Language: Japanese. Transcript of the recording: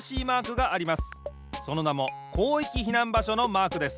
そのなも広域避難場所のマークです。